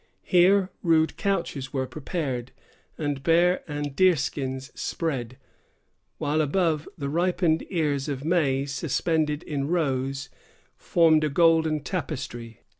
Here, rude couches were prepared, and bear and deer skins spread; while above, the ripened ears of maize, suspended in rows, formed a golden tapestry.